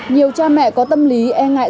nhiều cha mẹ có tâm lý e ngại